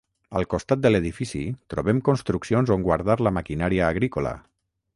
Al costat de l'edifici trobem construccions on guardar la maquinària agrícola.